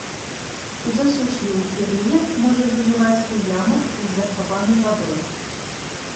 У засушлівы перыяд можа выжываць у ямах з захаванай вадой.